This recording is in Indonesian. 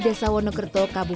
saya bener bener pengen ikan mein